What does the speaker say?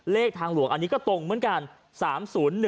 ทางหลวงอันนี้ก็ตรงเหมือนกัน